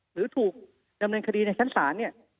หรือถูกดำเนินคดีในชั้นศาลเนี่ย